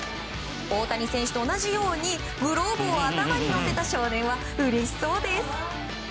大谷選手と同じようにグローブを頭に乗せた少年はうれしそうです。